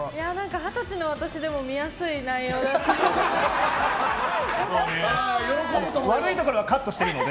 二十歳の私でも見やすい内容だったので。